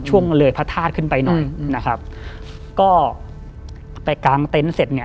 ช่วงเลยพระธาตุขึ้นไปหน่อยอืมนะครับก็ไปกางเต็นต์เสร็จเนี่ย